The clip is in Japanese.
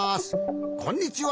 こんにちは。